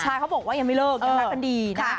ใช่เขาบอกว่ายังไม่เลิกยังรักกันดีนะ